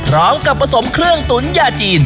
พร้อมกับผสมเครื่องตุ๋นยาจีน